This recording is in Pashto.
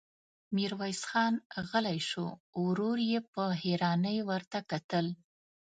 ميرويس خان غلی شو، ورور يې په حيرانۍ ورته کتل.